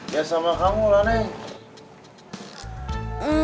ya sama kamu lah neng